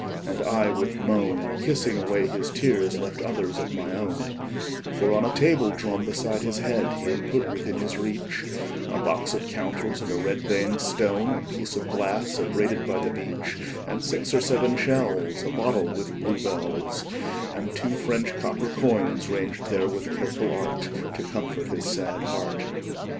And I, with moan, Kissing away his tears, left others of my own; For, on a table drawn beside his head, He had put, within his reach, 15 A box of counters and a red vein'd stone, A piece of glass abraded by the beach, And six or seven shells, A bottle with bluebells, And two French copper coins, ranged there with careful art, 20 To comfort his sad heart.